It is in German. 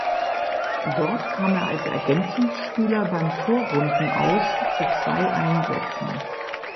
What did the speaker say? Dort kam er als Ergänzungsspieler beim Vorrundenaus zu zwei Einsätzen.